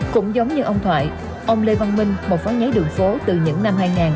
cũng giống như ông thoại ông lê văn minh một phó nhái đường phố từ những năm hai nghìn